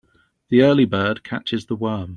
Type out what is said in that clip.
The early bird catches the worm.